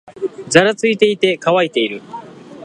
ざらついていて、乾いている